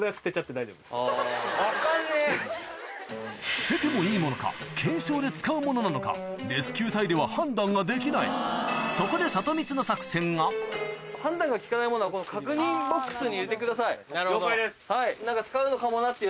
捨ててもいいものか懸賞で使うものなのかレスキュー隊では判断ができないそこで入れてください。